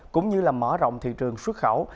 cũng như mở rộng thị trường xuất khẩu